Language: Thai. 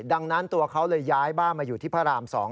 ดังนั้นตัวเขาเลยย้ายบ้านมาอยู่ที่พระราม๒